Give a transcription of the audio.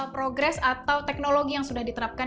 progres atau teknologi yang sudah diterapkan